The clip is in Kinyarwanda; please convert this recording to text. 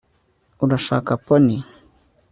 urashaka pony